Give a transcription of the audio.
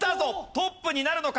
トップになるのか？